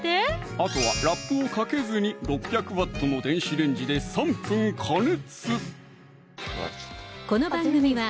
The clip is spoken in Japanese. あとはラップをかけずに６００Ｗの電子レンジで３分加熱！